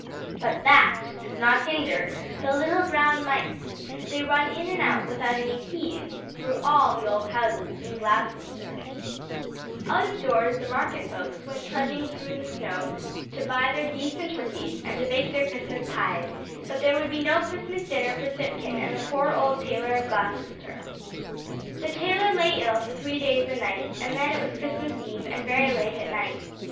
But that does not hinder the little brown mice; they run in and out without any keys through all the old houses in Gloucester! Out of doors the market folks went trudging through the snow to buy their geese and turkeys, and to bake their Christmas pies; but there would be no Christmas dinner for Simpkin and the poor old Tailor of Gloucester. The tailor lay ill for three days and nights; and then it was Christmas Eve, and very late at night.